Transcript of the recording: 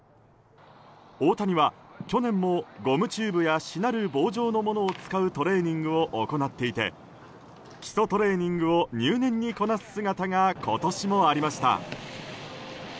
大谷は、去年もゴムチューブやしなる棒状のものを使うトレーニングを行っていて基礎トレーニングを入念にこなす姿が今年もありました。